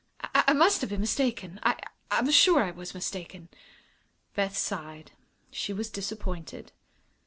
I must have been mistaken. I I'm sure I was mistaken." Beth sighed. She was disappointed.